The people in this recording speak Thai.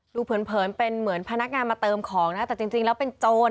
เผินเป็นเหมือนพนักงานมาเติมของนะแต่จริงแล้วเป็นโจร